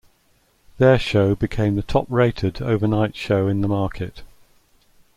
Their show became the top-rated overnight show in the market.